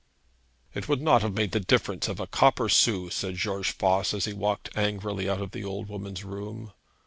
'It would not have made the difference of a copper sou,' said George Voss, as he walked angrily out of the old woman's room.